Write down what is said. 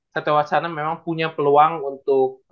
sate wacana memang punya peluang untuk